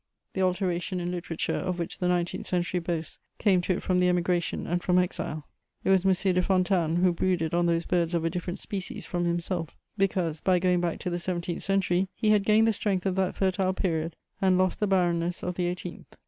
The alteration in literature of which the nineteenth century boasts came to it from the Emigration and from exile: it was M. de Fontanes who brooded on those birds of a different species from himself, because, by going back to the seventeenth century, he had gained the strength of that fertile period and lost the barrenness of the eighteenth.